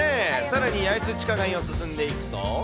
さらに八重洲地下街を進んでいくと。